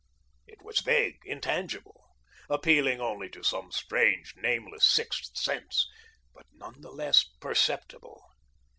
It was vague, intangible, appealing only to some strange, nameless sixth sense, but none the less perceptible.